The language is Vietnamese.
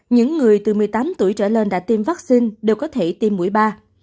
những người từ một mươi tám tuổi trở lên đã tiêm vắc xin đều có thể tiêm mũi ba